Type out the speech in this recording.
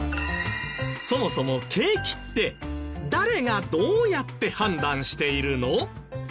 そもそも景気って誰がどうやって判断しているの？